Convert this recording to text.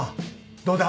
どうだ？